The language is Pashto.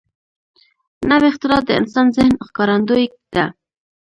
نوې اختراع د انسان ذهن ښکارندوی ده